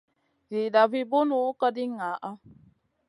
Ziina vu Bun kogndi ngaana.